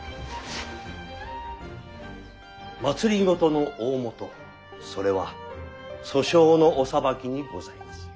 政の大本それは訴訟のお裁きにございます。